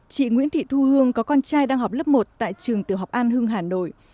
chị nguyễn thị thu hương có con trai đang học lớp một tại trường tiểu học an hưng hà nội